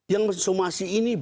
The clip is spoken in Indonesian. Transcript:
yang somasi ini